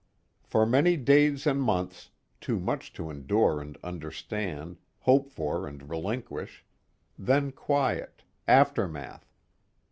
For many days and months, too much to endure and understand, hope for and relinquish; then quiet, aftermath.